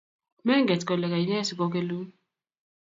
Menget kole kaine sigogellun